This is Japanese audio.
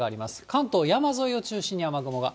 関東、山沿いを中心に雨雲が。